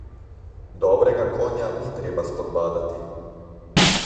Dobrega konja ni treba spodbadati.